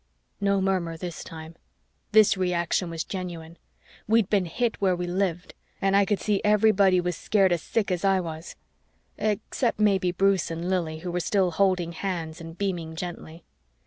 No murmur this time. This reaction was genuine; we'd been hit where we lived and I could see everybody was scared as sick as I was. Except maybe Bruce and Lili, who were still holding hands and beaming gently.